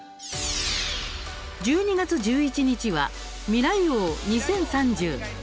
１２月１１日は「未来王２０３０」。